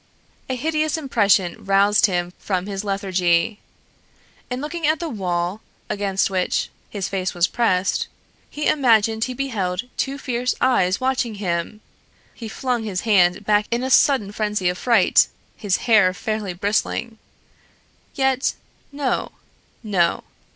A hideous impression roused him from his lethargy: in looking at the wall against which his face was pressed, he imagined he beheld two fierce eyes watching him! He flung his head back in a sudden frenzy of fright, his hair fairly bristling! Yet, no! No.